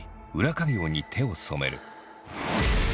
稼業に手を染める。